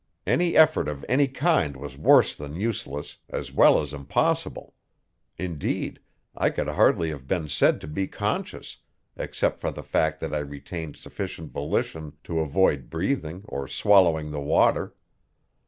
Any effort of any kind was worse than useless, as well as impossible; indeed, I could hardly have been said to be conscious, except for the fact that I retained sufficient volition to avoid breathing or swallowing the water.